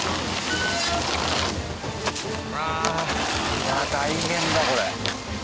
いや大変だこれ。